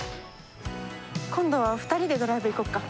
今度２人でドライブ行こうか。